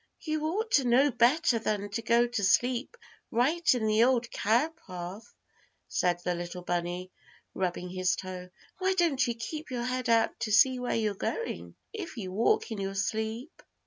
"You ought to know better than to go to sleep right in the Old Cow Path," said the little bunny, rubbing his toe. "Why don't you keep your head out to see where you're going if you walk in your sleep?"